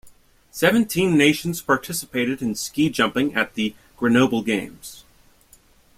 Seventeen nations participated in ski jumping at the Grenoble Games.